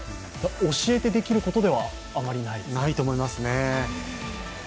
教えてできることではあまりないですか？